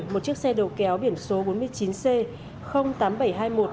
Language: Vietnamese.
một chiếc xe đầu kéo biển số bốn mươi chín c tám nghìn bảy trăm hai mươi một